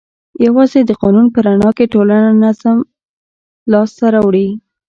یوازې د قانون په رڼا کې ټولنه نظم لاس ته راوړي.